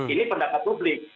ini pendapat publik